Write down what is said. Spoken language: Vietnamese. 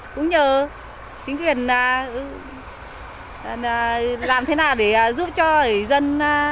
cũng nhờ chính quyền làm thế nào để giúp cho dân